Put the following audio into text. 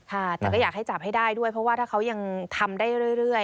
ค่ะแต่ก็อยากให้จับให้ได้ด้วยเพราะว่าถ้าเขายังทำได้เรื่อย